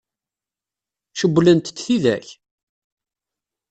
Cewwlent-t tidak?